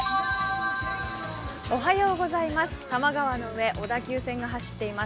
おはようございます。